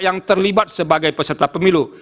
yang terlibat sebagai peserta pemilu